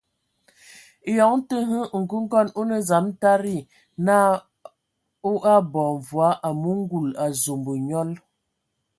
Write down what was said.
Eyɔŋ tə ndə hm nkɔkɔŋ o nə dzam tadi na o abɔ mvoa, amu ngul azombo nyɔl.